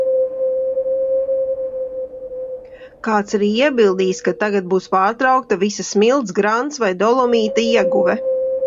Kāds arī iebildīs, ka tagad būs pārtraukta visa smilts, grants vai dolomīta ieguve.